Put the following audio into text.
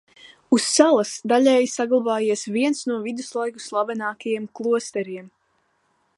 Uz salas daļēji saglabājies viens no viduslaiku slavenākajiem klosteriem.